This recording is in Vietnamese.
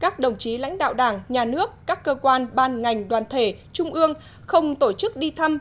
thực trí lãnh đạo đảng nhà nước các cơ quan ban ngành đoàn thể trung ương không tổ chức đi thăm